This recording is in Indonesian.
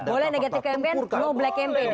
boleh negatif campaign no black campaign ya